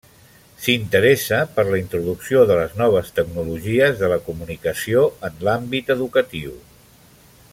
S'interessa per la introducció de les noves tecnologies de la comunicació en l'àmbit educatiu.